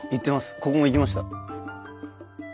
ここも行きました。